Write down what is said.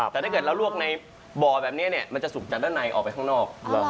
แต่ถ้าเกิดเราลวกในบ่อแบบนี้มันจะสุกจากด้านในออกไปข้างนอก